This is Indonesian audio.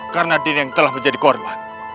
karena dinda yang telah menjadi korban